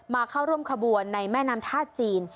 เข้าร่วมขบวนในแม่น้ำท่าจีน